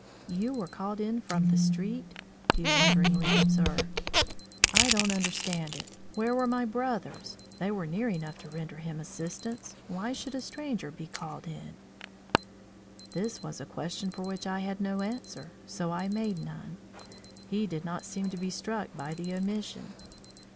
"You were called in from the street?" he wonderingly observed; "I don't understand it. Where were my brothers? They were near enough to render him assistance. Why should a stranger be called in?" This was a question for which I had no answer, so I made none. He did not seem to be struck by the omission.